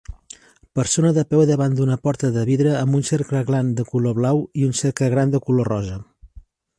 Persona de peu davant d"una porta de vidre amb un cercle gran de color blau i un cercle gran de color rosa.